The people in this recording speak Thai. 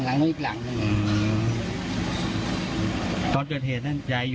แล้วก็กลับหลานกันสาม